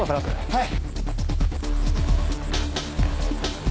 はい。